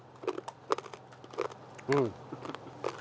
うん。